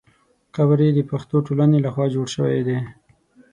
قبر یې د پښتو ټولنې له خوا جوړ شوی دی.